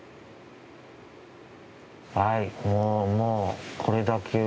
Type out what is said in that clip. はいもうもうこれだけは。